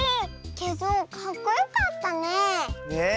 けどかっこよかったねえ。ね。